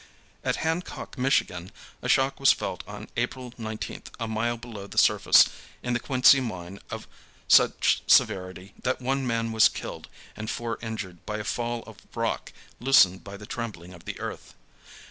At Hancock, Mich., a shock was felt on April 19th a mile below the surface in the Quincy mine of such severity that one man was killed and four injured by a fall of rock loosened by the trembling of the earth.